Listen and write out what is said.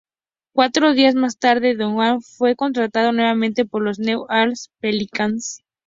Cuatro días más tarde, Douglas fue contratado nuevamente por los New Orleans Pelicans.